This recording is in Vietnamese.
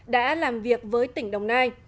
đã làm việc với tỉnh đồng nai